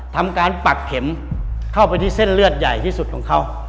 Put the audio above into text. ทำการปักเข็มเข้าไปที่เส้นเลือดใหญ่ที่สุดของเขา